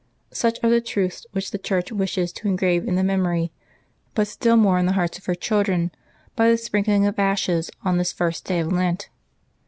Such are the truths which the Church wishes to engrave in the memory, but still more in the hearts, of her children, by the sprinkling of ashes on this first day of Lent.